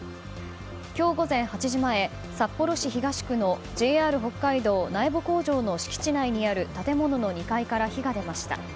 今日午前８時前、札幌市東区のＪＲ北海道苗穂工場の敷地内にある建物の２階から火が出ました。